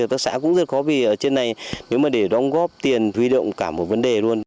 hợp tác xã cũng rất khó vì ở trên này nếu mà để đóng góp tiền huy động cả một vấn đề luôn